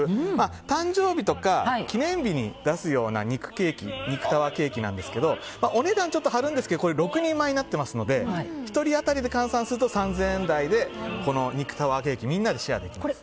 誕生日とか記念日に出すような肉タワーケーキなんですけどお値段ちょっと張るんですが６人前になってますので１人当たりで換算すると３０００円台で肉タワーケーキみんなでシェアできます。